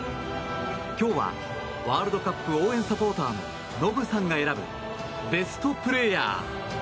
今日はワールドカップ応援サポーターのノブさんが選ぶベストプレーヤー。